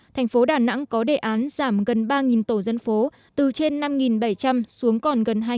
thành phố đà nẵng có đề án giảm gần ba tổ dân phố từ trên năm bảy trăm linh xuống còn gần hai trăm linh